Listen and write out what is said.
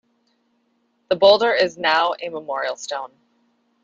The boulder is now a memorial stone.